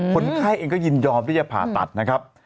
คนไข้เองก็ยินยอมที่จะผ่าตัดนะครับ